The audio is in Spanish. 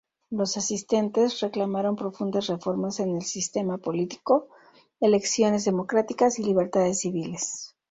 Los asistentes reclamaron profundas reformas en el sistema político, elecciones democráticas y libertades civiles.